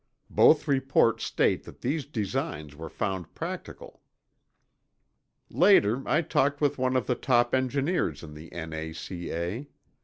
Both reports state that these designs were found practical. Later, I talked with one of the top engineers in the N.A.C.A.